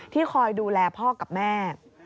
คอยดูแลพ่อกับแม่